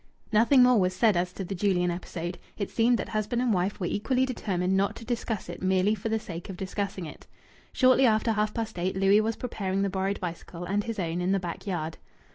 Nothing more was said as to the Julian episode. It seemed that husband and wife were equally determined not to discuss it merely for the sake of discussing it. Shortly after half past eight Louis was preparing the borrowed bicycle and his own in the back yard.